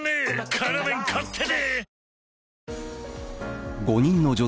「辛麺」買ってね！